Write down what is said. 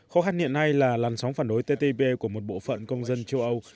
khó khăn hiện nay là làn sóng phản đối ttb của một bộ phận công dân châu âu